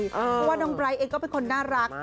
เพราะว่าน้องไบร์ทเองก็เป็นคนน่ารัก